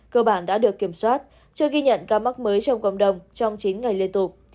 cơ bản đã được kiểm soát chưa ghi nhận ca mắc mới trong cộng đồng trong chín ngày liên tục